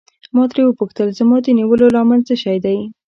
ما ترې وپوښتل زما د نیولو لامل څه شی دی.